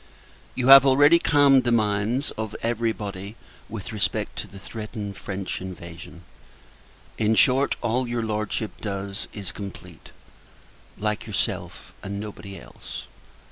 You have already calmed the minds of every body with respect to the threatened French invasion. In short, all your Lordship does is complete; like yourself, and nobody else.